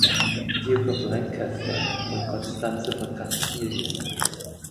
Duke of Lancaster und Konstanze von Kastilien.